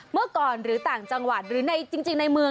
เมื่อก่อนหรือต่างจังหวัดหรือในจริงในเมือง